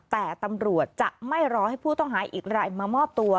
แต่ตำรวจจะไม่รอให้ผู้ต้องหาอีกรายมามอบตัว